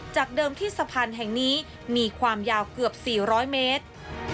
จากเดิมที่สะพานแห่งนี้มีความยาวเกือบ๔๐๐เมตร